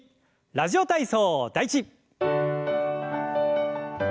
「ラジオ体操第１」。